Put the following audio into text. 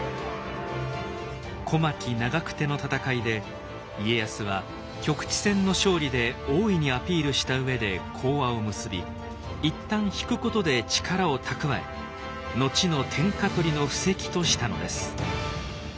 小牧・長久手の戦いで家康は局地戦の勝利で大いにアピールした上で講和を結び一旦引くことで力を蓄え後の天下取りの布石としたのです。